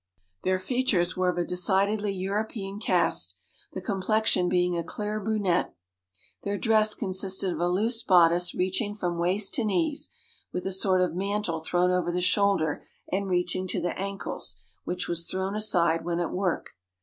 Their features were of a decidedly European cast, the complexion being a clear brunette. Their dress consisted of a loose bodice reaching from waist to knees, with a sort of mantle thrown over the shoulder and reaching to the ankles, which was thrown aside when at work.